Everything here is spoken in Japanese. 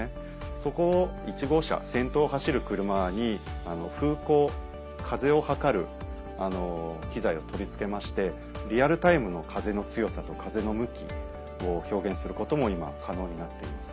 そこを１号車先頭を走る車に風向風を測る機材を取り付けましてリアルタイムの風の強さと風の向きを表現することも今は可能になっています。